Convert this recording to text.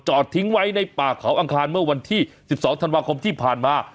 ทิ้งไว้ในป่าเขาอังคารเมื่อวันที่๑๒ธันวาคมที่ผ่านมา